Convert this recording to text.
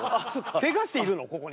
ケガしているのここに。